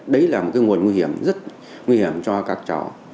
đấy là một cái nguồn nguy hiểm rất nguy hiểm cho các cháu